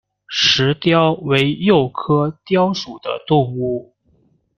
石貂为鼬科貂属的动物。